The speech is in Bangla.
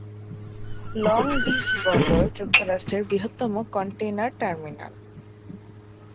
লং বিচ বন্দর যুক্তরাষ্ট্রের বৃহত্তম কন্টেইনার টার্মিনাল।